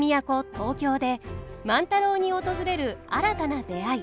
東京で万太郎に訪れる新たな出会い。